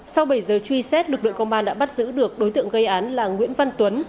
sau bảy giờ truy xét lực lượng công an đã bắt giữ được đối tượng gây án là nguyễn văn tuấn